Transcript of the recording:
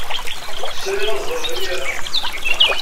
Sriɣ ad ẓreɣ imir-a.